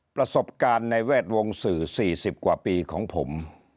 ประสบการณ์ในแวดวงสื่อ๔๐กว่าปีของผม